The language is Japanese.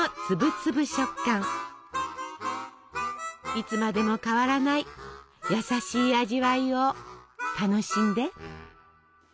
いつまでも変わらない優しい味わいを楽しんで。